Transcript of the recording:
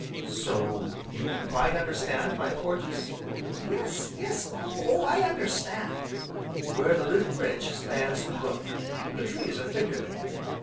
"So you quite understand, my Porges?" "Yes, yes Oh I understand!" "Where the little bridge spans the brook, the trees are thicker, there."